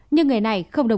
nhưng ngày này không được